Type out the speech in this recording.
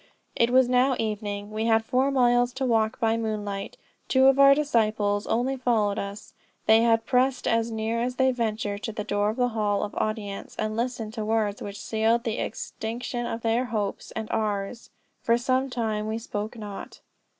"It was now evening. We had four miles to walk by moonlight. Two of our disciples only followed us. They had pressed as near as they ventured to the door of the hall of audience, and listened to words which sealed the extinction of their hopes and ours. For some time we spoke not.